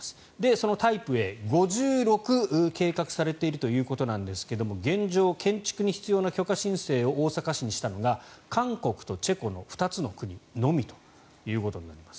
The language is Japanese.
そのタイプＡ、５６計画されているということですが現状、建築に必要な許可申請を大阪市にしたのが韓国とチェコの２つの国のみということになります。